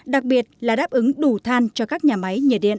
đặc biệt là đáp ứng đủ than cho các nhà máy nhiệt điện